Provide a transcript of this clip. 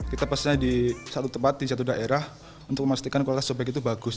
kita pesannya di satu tempat di satu daerah untuk memastikan kualitas cobek itu bagus